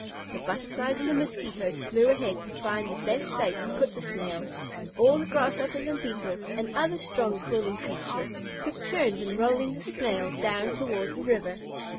The Butterflies and the Mosquitoes flew ahead to find the best place to put the Snail, and all the Grasshoppers, and Beetles, and other strong crawling creatures took turns in rolling the Snail down toward the river.